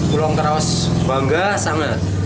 kulau ngerawas bangga sangat